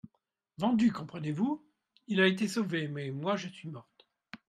Vendus ! comprenez-vous ? il a été sauvé ! Mais, moi, je suis morte.